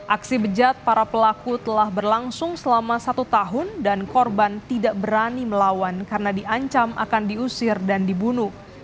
aksi bejat para pelaku telah berlangsung selama satu tahun dan korban tidak berani melawan karena diancam akan diusir dan dibunuh